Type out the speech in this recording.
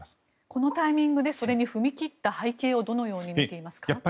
このタイミングで踏み切った背景をどのように見ていますか？